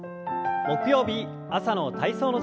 木曜日朝の体操の時間です。